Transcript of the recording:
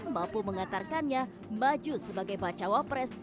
mampu mengantarkannya maju sebagai bacawapres